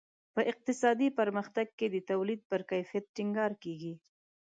په اقتصادي پرمختګ کې د تولید پر کیفیت ټینګار کیږي.